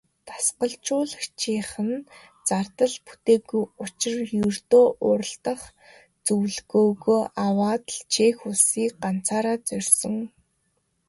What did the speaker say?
Дасгалжуулагчийнх нь зардал бүтээгүй учир ердөө уралдах зөвлөгөөгөө аваад л Чех улсыг ганцаараа зорьсон.